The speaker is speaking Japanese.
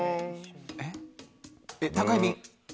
えっ？